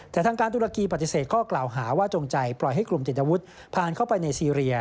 แต่ทางการตุรกีปฏิเสธข้อกล่าวหาว่าจงใจปล่อยให้กลุ่มติดอาวุธผ่านเข้าไปในซีเรีย